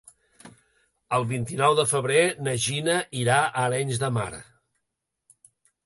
El vint-i-nou de febrer na Gina irà a Arenys de Mar.